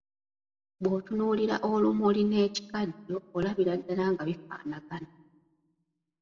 Bw’otunuulira olumuli n’ekikajjo olabira ddala nga bifaanagana.